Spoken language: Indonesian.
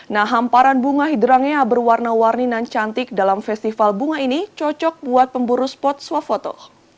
nah hamparan bunga hidrangnya berwarna warni dan cantik dalam festival bunga ini cocok buat pemburu spot swafoto